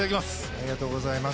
ありがとうございます。